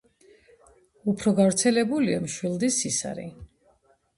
უფრო გავრცელებულია მშვილდის ისარი.